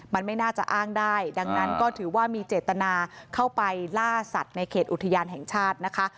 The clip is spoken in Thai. มันไม่น่าจะอ้างได้ดังนั้นก็ถือว่ามีเจตนาเข้าไปล่าสัตว์ในเขตอุทยานแห่งชาตินะคะ